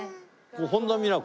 本田美奈子．？